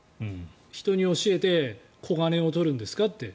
人に教えて小金を取るんですかって。